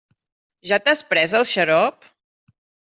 Ja t'has pres el xarop?